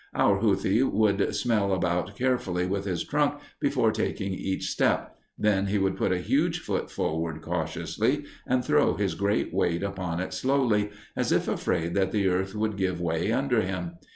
Our huthi would smell about carefully with his trunk before taking each step, then he would put a huge foot forward cautiously, and throw his great weight upon it slowly, as if afraid that the earth would give way under him.